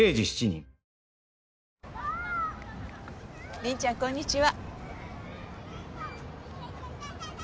凛ちゃんこんにちは。